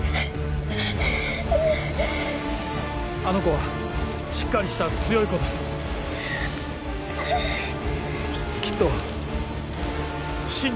あの子はしっかりした強い子です。